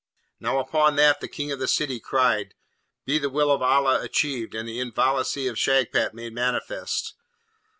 Now, upon that the King of the City cried, 'Be the will of Allah achieved, and the inviolacy of Shagpat made manifest!